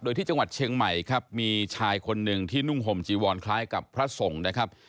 โดยที่จังหวัดเชียงใหม่ครับมีชายคนหนึ่งที่นุ่งห่มจีวอนคล้ายกับพระสงฆ์นะครับ